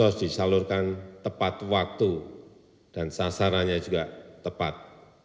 harus disalurkan tepat waktu dan sasarannya juga tepat